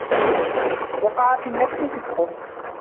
وَقَعَ فِي النَّفْسِ صِدْقُهُ